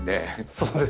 そうですね。